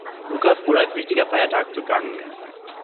Lukas, wurde als wichtiger Feiertag begangen.